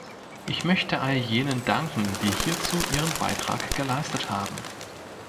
Ich möchte all jenen danken, die hierzu ihren Beitrag geleistet haben.